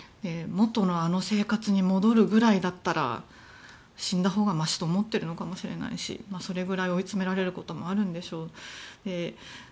元のあの生活に戻るぐらいだったら死んだほうがましと思っているのかもしれないしそれぐらい追いつめられることもあるんでしょう。